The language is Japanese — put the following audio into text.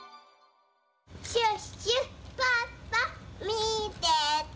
シュッシュポッポみてて。